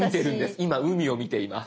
今海を見ています。